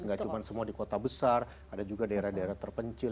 nggak cuma semua di kota besar ada juga daerah daerah terpencil